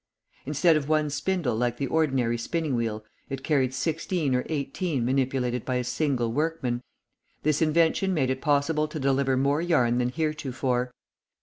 Instead of one spindle like the ordinary spinning wheel, it carried sixteen or eighteen manipulated by a single workman. This invention made it possible to deliver more yarn than heretofore.